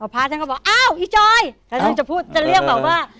พระอาทิตย์ก็บอกอ้าวอีจอยแล้วพระอาทิตย์จะพูดจะเรียกบอกว่า